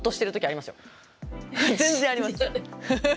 全然あります。